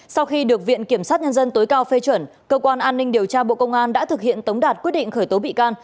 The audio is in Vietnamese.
sau khi được viện kiểm sát nhân dân tối cao phê chuẩn cơ quan an ninh điều tra bộ công an đã thực hiện tống đạt quyết định khởi tố bị can